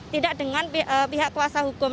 tidak dengan pihak kuasa hukum